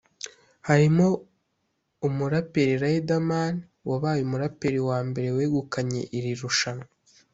harimo umuraperi Riderman wabaye umuraperi wa mbere wegukanye iri rushanwa